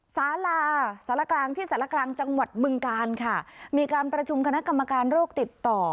สาราสารกลางที่สารกลางจังหวัดบึงกาลค่ะมีการประชุมคณะกรรมการโรคติดต่อ